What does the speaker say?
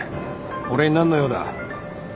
俺に何の用だ？